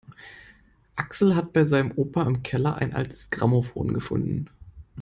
Axel hat bei seinem Opa im Keller ein altes Grammophon gefunden.